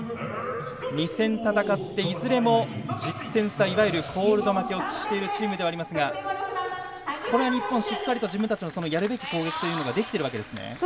２戦、戦っていずれも１０点差いわゆるコールド負けを喫しているチームですがこの辺、日本は自分たちのやるべき攻撃ができているわけですね。